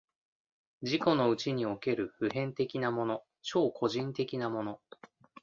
自己のうちにおける普遍的なもの、超個人的なもの、